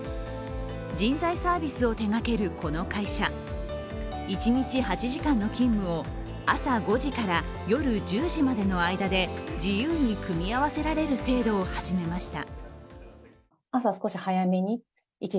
人材サービスを手がけるこの会社、一日８時間の勤務を朝５時から夜１０時までの間で自由に組み合わせられる制度を始めました。